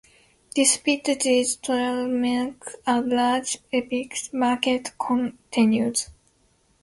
Despite these trademarks, a large replica market continues.